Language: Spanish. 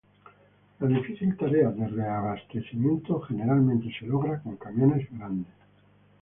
La difícil tarea de reabastecimiento generalmente se logra con camiones grandes.